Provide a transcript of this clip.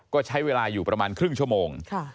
ก็ใช้เวลาอยู่ประมาณครึ่งชั่วโมง